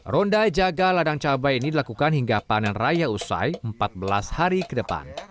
ronda jaga ladang cabai ini dilakukan hingga panen raya usai empat belas hari ke depan